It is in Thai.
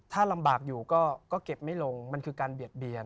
ถ้าลำบากอยู่ก็เก็บไม่ลงมันคือการเบียดเบียน